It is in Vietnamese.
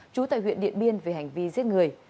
trú tại huyện điện biên về hành vi giết người